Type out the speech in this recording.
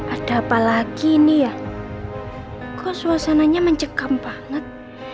ada apa lagi nih ya kok suasananya mencekam banget